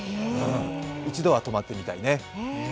一度は泊まってみたいね。